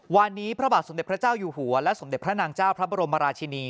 วันนี้พระบาทสมเด็จพระเจ้าอยู่หัวและสมเด็จพระนางเจ้าพระบรมราชินี